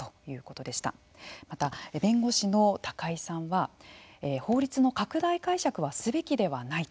また弁護士の井さんは法律の拡大解釈はすべきではないと。